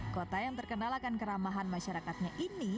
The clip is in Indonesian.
kota yang terkenalkan keramahan masyarakatnya ini